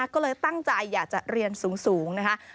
ก็เลยตั้งใจอยากจะเรียนสูงนะคะ